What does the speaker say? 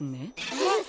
えっ。